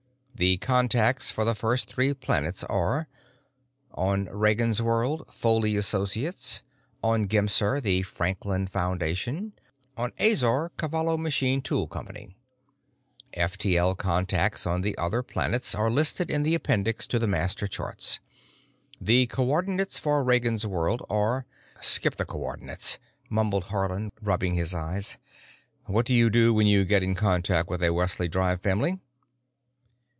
The contacts for the first three planets are: On Ragansworld, Foley Associates; on Gemser, the Franklin Foundation; on Azor, Cavallo Machine Tool Company. F T L contacts on other planets are listed in the appendix to the master charts. The co ordinates for Ragansworld are——" "Skip the co ordinates," mumbled Haarland, rubbing his eyes. "What do you do when you get in contact with a Wesley Drive family?"